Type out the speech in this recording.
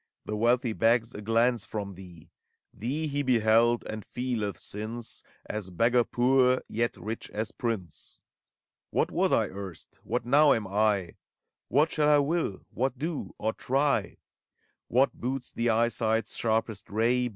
The wealthy begs a glance from thee: Thee he beheld, and feeleth, since. As beggar poor, yet rich as prince. What was I erst? What now am I? What shall I will? — what do, or try? What boots the eyesight's sharpest ray?